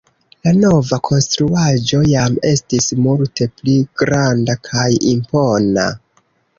La nova konstruaĵo jam estis multe pli granda kaj impona.